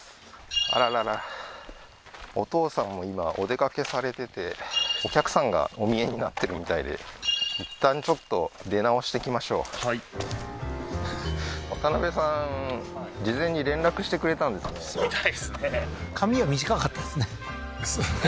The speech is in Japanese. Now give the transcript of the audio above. あらららお父さんも今お出かけされててお客さんがお見えになってるみたいでいったんちょっと出直してきましょうはいみたいですね髪は短かったですねははは